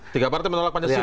tiga partai menolak pancasila